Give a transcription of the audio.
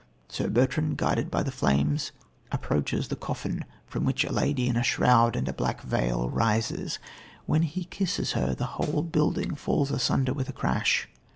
Sir Bertrand, guided by the flames, approaches the coffin from which a lady in a shroud and a black veil arises. When he kisses her, the whole building falls asunder with a crash.